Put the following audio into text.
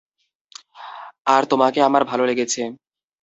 আর তোমাকে আমার ভালো লেগেছে।